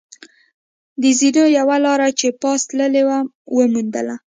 د زینو یوه لار چې پاس تللې وه، و موندل.